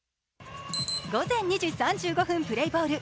午前２時３５分プレーボール。